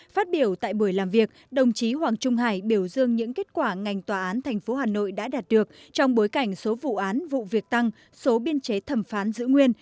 phát biểu tại buổi làm việc đồng chí hoàng trung hải biểu dương những kết quả ngành tòa án thành phố hà nội đã đạt được trong bối cảnh số vụ án vụ việc tăng số biên chế thẩm phán giữ nguyên